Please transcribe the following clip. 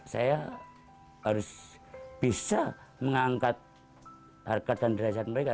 saya harus bisa mengangkat harkat dan derajat mereka